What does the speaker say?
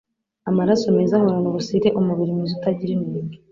Amaraso meza ahorana ubusireUmubiri mwiza utagira inenge